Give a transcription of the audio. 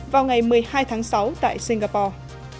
vào ngày một mươi hai tháng sáu tại singapore